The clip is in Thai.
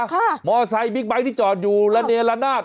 มอไซคบิ๊กไบท์ที่จอดอยู่ระเนละนาด